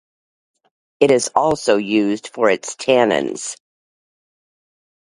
It is also used for its tannins.